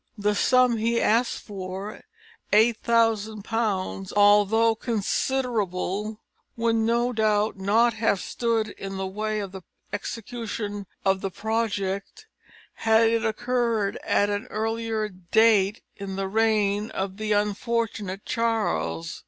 The sum he asked for, £8000, although considerable, would no doubt not have stood in the way of the execution of the project had it occurred at an earlier date in the reign of the unfortunate Charles.